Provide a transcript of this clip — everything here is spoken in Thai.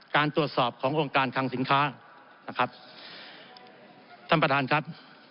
การตรวจสอบขององค์การคังสินค้านะครับท่านประธานครับ